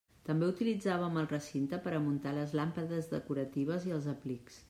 També utilitzàvem el recinte per a muntar les làmpades decoratives i els aplics.